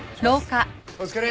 お疲れ。